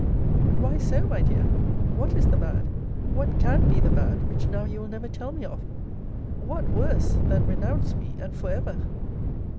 But why so, my dear? What is the bad, what can be the bad, which now you will never tell me of? What worse, than renounce me! and for ever!